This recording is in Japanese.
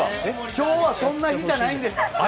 今日はそんな日じゃないんです。